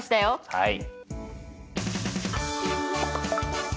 はい。